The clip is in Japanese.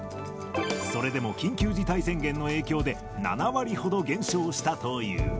それでも緊急事態宣言の影響で、７割ほど減少したという。